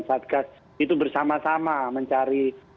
satgas itu bersama sama mencari